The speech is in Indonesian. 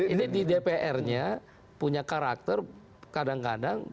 ini di dpr nya punya karakter kadang kadang